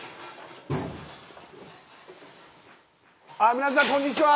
皆さんこんにちは。